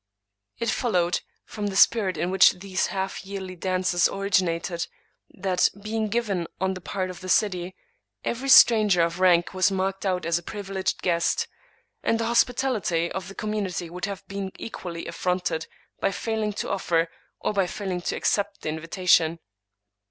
It followed, from the spirit in which these half yearly dances originated, that, being g^ven on the part of the city, every stranger of rank was marked out as a privileged guest, and the hospitality of the community would have been equally affronted by failing to offer or by failing to accept the invitation.